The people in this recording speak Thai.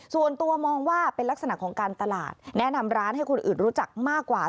ส่วนตัวมองว่าเป็นลักษณะของการตลาดแนะนำร้านให้คนอื่นรู้จักมากกว่า